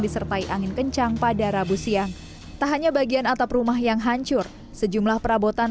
disertai angin kencang pada rabu siang tak hanya bagian atap rumah yang hancur sejumlah perabotan